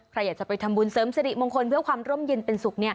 ใครอยากจะไปทำบุญเสริมสิริมงคลเพื่อความร่มเย็นเป็นสุข